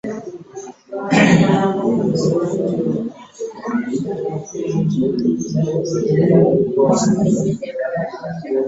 Ente yaffe ezadde ennyana bbiri.